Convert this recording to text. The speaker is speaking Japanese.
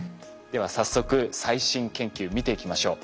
では早速最新研究見ていきましょう。